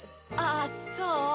あそう？